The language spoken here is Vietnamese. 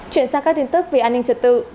chuyển sang các tin tức về an ninh trật tự